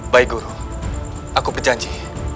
baik guru aku berjanji